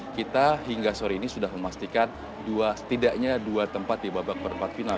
kita hingga sore ini sudah memastikan setidaknya dua tempat di babak perempat final